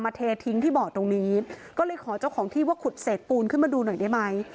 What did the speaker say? เททิ้งที่บ่อตรงนี้ก็เลยขอเจ้าของที่ว่าขุดเศษปูนขึ้นมาดูหน่อยได้ไหม